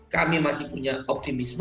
kami masih punya optimisme